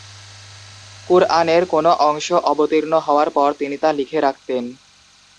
কুরআনের কোনো অংশ অবতীর্ণ হওয়ার পর তিনি তা লিখে রাখতেন।